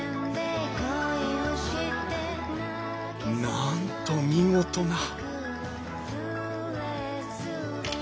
なんと見事な！